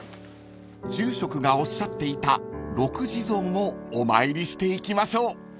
［住職がおっしゃっていた六地蔵もお参りしていきましょう］